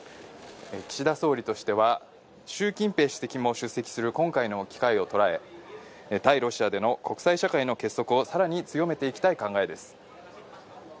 岸田総理としては、習近平主席も出席する今回の機会を捉え、対ロシアでの国際社会の結束をさらに強めていきたい考えです。